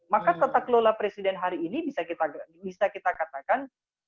maka tata kelola presiden hari ini bisa kita katakan